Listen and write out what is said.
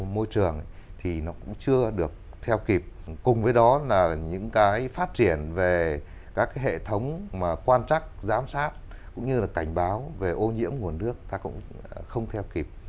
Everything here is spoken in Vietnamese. môi trường thì nó cũng chưa được theo kịp cùng với đó là những cái phát triển về các cái hệ thống mà quan trắc giám sát cũng như là cảnh báo về ô nhiễm nguồn nước ta cũng không theo kịp